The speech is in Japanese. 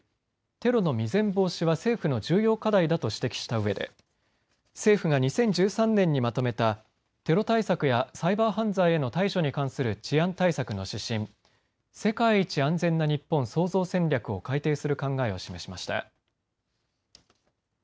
テロの未然防止は政府の重要課題だと指摘したうえで、政府が２０１３年にまとめたテロ対策やサイバー犯罪への対処に関する治安対策の指針、世界一安全な日本創造戦略を改定する考えを示しました。